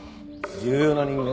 重要な人間？